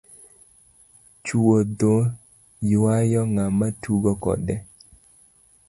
Choudho ywayo ng'ama tugo kode.